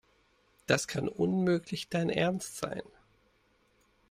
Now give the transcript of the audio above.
Das kann unmöglich dein Ernst sein.